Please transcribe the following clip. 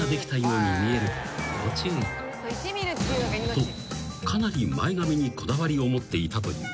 ［とかなり前髪にこだわりを持っていたという］